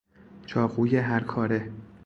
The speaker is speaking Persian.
چاقوی هر کاره